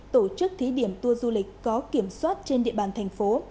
tổ chức thí điểm tour du lịch có kiểm soát trên địa bàn thành phố